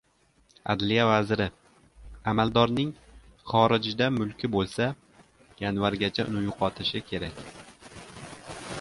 Adliya vaziri: «Amaldorning xorijda mulki bo‘lsa, yanvargacha uni yo‘qotishi kerak»